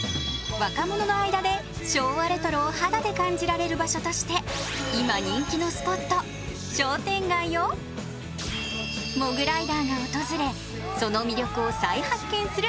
若者の間で昭和レトロを肌で感じられる場所として今、人気のスポット、商店街をモグライダーが訪れ、その魅力を再発見する